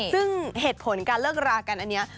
ซึ่งเหตุผลการเลิกรากันอันนี้